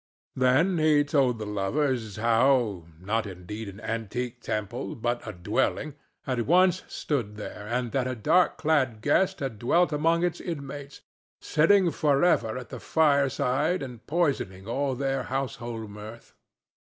Then he told the lovers, how—not, indeed, an antique temple, but a dwelling—had once stood there, and that a dark clad guest had dwelt among its inmates, sitting for ever at the fireside and poisoning all their household mirth.